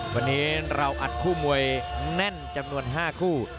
วันนี้เราอัดคู่มวยแน่นจำนวน๕คู่